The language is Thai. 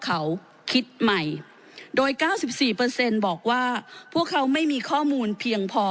เขาคิดใหม่โดยเก้าสิบสี่เปอร์เซ็นต์บอกว่าพวกเขาไม่มีข้อมูลเพียงพอ